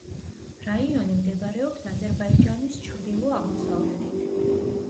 რაიონი მდებარეობს აზერბაიჯანის ჩრდილო-აღმოსავლეთით.